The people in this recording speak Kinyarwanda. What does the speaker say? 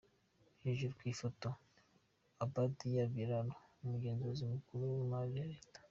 Hejuru ku ifoto: Obadiah Biraro, Umugenzuzi Mukuru w’Imari ya Leta.